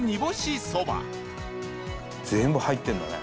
伊達：全部、入ってるんだね。